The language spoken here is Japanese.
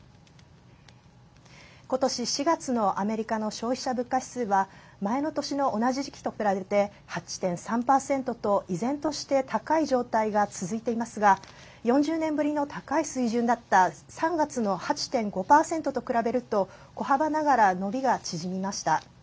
ことし４月のアメリカの消費者物価指数は前の年の同じ時期と比べて８．３％と依然として高い状態が続いていますが４０年ぶりの高い水準だった３月の８．５％と比べると小幅ながら伸びが縮みました。